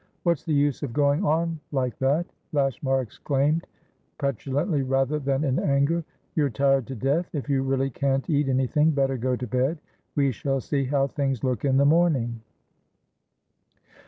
"What's the use of going on like that?" Lashmar exclaimed, petulantly rather than in anger. "You're tired to death. If you really can't eat anything, better go to bed. We shall see how things look in the morning."